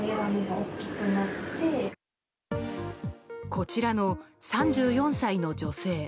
こちらの３４歳の女性。